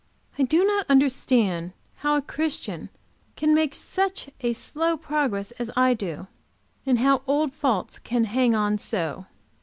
I do not understand how a Christian can make such slow progress as I do, and how old faults can hang on so.